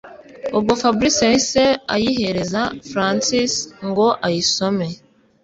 Ubwo Fabric yahise ayihereza Francis ngo ayisome